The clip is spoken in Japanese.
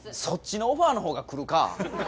そっちのオファーのほうが来るか！